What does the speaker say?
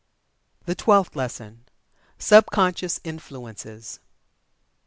THE TWELFTH LESSON. SUB CONSCIOUS INFLUENCES.